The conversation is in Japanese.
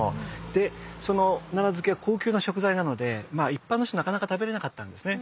でその奈良漬けは高級な食材なので一般の人はなかなか食べれなかったんですね。